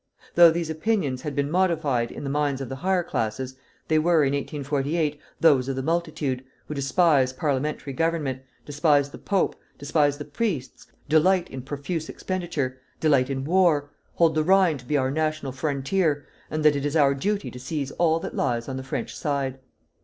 Though these opinions had been modified in the minds of the higher classes, they were, in 1848, those of the multitude, who despise parliamentary government, despise the pope, despise the priests, delight in profuse expenditure, delight in war, hold the Rhine to be our national frontier, and that it is our duty to seize all that lies on the French side.